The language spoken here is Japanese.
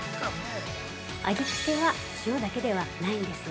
◆味付けは塩だけではないんです。